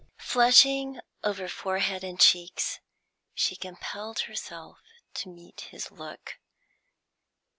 Flushing over forehead and cheeks, she compelled herself to meet his look.